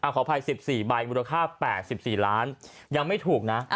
ขออภัย๑๔ใบมูลค่า๘๔ล้านยังไม่ถูกนะ